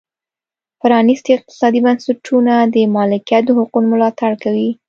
پرانیستي اقتصادي بنسټونه د مالکیت د حقونو ملاتړ کوي.